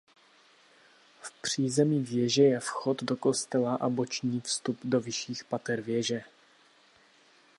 V přízemí věže je vchod do kostela a boční vstup do vyšších pater věže.